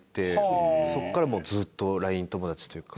そこからもうずっとＬＩＮＥ友達というか。